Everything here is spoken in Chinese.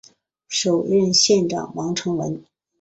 首任县长王成文。